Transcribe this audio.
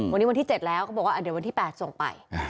วันนี้วันที่๗แล้วก็บอกว่าเดี๋ยววันที่๘ส่งไป